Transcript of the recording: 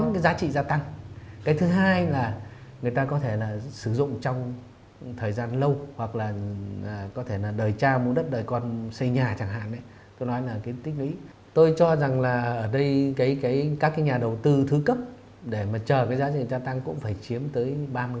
và ở đây các nhà đầu tư thứ cấp để chờ giá trị tăng cũng phải chiếm tới ba mươi